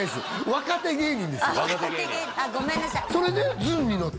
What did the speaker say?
若手芸人ですあっ